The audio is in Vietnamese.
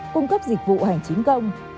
cung cấp dịch vụ hành chính công